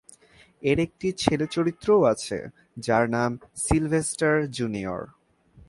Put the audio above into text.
এর একটি ছেলে চরিত্র ও আছে, যার নাম সিলভেস্টার জুনিয়র।